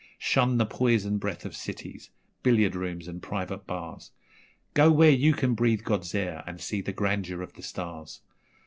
Shun the poison breath of cities billiard rooms and private bars, Go where you can breathe God's air and see the grandeur of the stars!